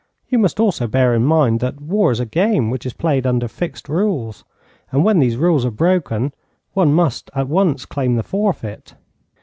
You must also bear in mind that war is a game which is played under fixed rules, and when these rules are broken one must at once claim the forfeit.